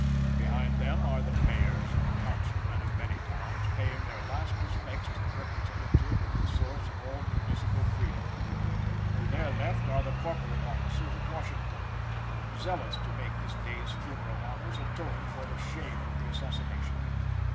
Behind them are the mayors and councilmen of many towns paying their last respects to the representative of the source of all municipal freedom. To their left are the corporate officers of Washington, zealous to make this day's funeral honors atone for the shame of the assassination.